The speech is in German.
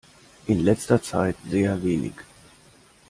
In letzter Zeit sehr wenig.